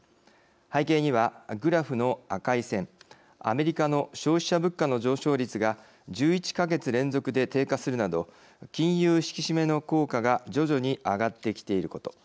背景には、グラフの赤い線アメリカの消費者物価の上昇率が１１か月連続で低下するなど金融引き締めの効果が徐々に上がってきていること。